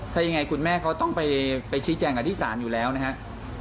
ถ้ายังไงคุณแม่เขาต้องไปชี้แจงกับที่ศาลอยู่แล้วนะครับ